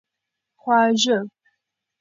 خواږه